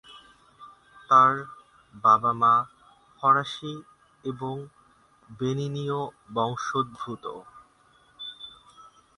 তার বাবা-মা ফরাসি এবং বেনিনীয় বংশোদ্ভূত।